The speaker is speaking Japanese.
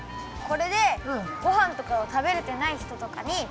これでごはんとかを食べれてないひととかに。